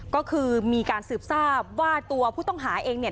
ก็คือมีการสืบทราบว่าตัวผู้ต้องหาเองเนี่ย